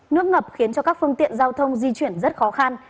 nước ngập khiến cho các phương tiện giao thông di chuyển rất khó khăn